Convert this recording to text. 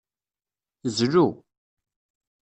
Zlu.